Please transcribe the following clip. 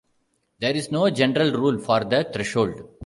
There is no general rule for the threshold.